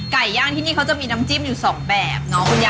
ไก่ย่างที่นี่เขามีน้ำจิ้มอยู่๒แบบ